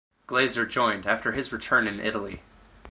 Glaser joined after his return in Italy.